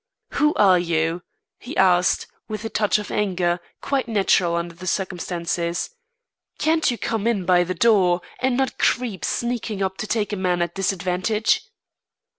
"Who are you?" he asked, with a touch of anger, quite natural under the circumstances. "Can't you come in by the door, and not creep sneaking up to take a man at disadvantage?"